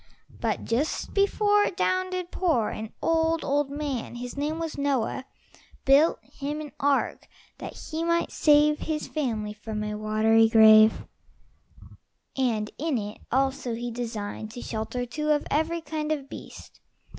But just before it down did pour, An old, old man his name was Noah Built him an ark, that he might save His family from a watery grave; And in it also he designed To shelter two of every kind Of beast.